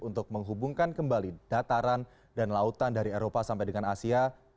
untuk menghubungkan kembali dataran dan lautan dari eropa sampai dengan asia